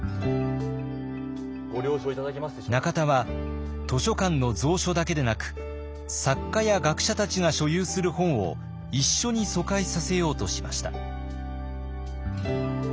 中田は図書館の蔵書だけでなく作家や学者たちが所有する本を一緒に疎開させようとしました。